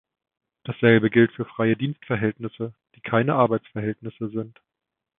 Dasselbe gilt für freie Dienstverhältnisse, die keine Arbeitsverhältnisses sind.